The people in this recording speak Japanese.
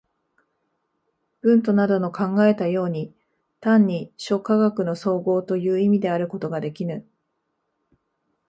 ヴントなどの考えたように、単に諸科学の綜合という意味であることができぬ。